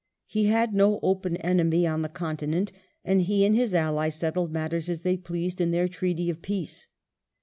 He had no open enemy on the continent, and he and his ally settled matters as they pleased in their treaty of peace.